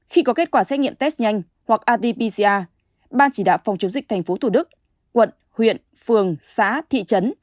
khi có kết quả xét nghiệm test nhanh hoặc adbr ban chỉ đạo phòng chống dịch tp thủ đức quận huyện phường xã thị trấn